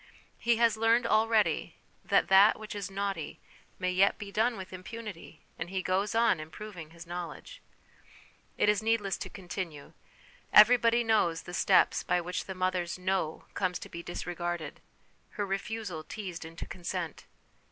He has learned already that that which is ' naughty ' may yet be done SOME PRELIMINARY CONSIDERATIONS 1$ with impunity, and he goes on improving his know ledge. It is needless to continue; everybody knows the steps by which the mother's 'no' comes to be disregarded, her refusal teased into consent.